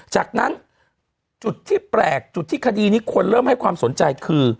จากนั้นจุดที่แปลกจุดที่คดีนี้คนเริ่มให้ความสนใจคือ